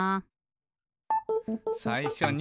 「さいしょに」